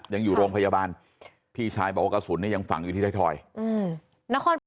ยังอยู่โรงพยาบาลพี่ชายบอกว่ากระสุนเนี่ยยังฝังอยู่ที่ไทยทอย